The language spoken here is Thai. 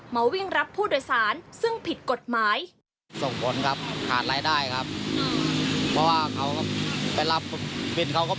มาวิ่งรับผู้โดยสารซึ่งผิดกฎหมาย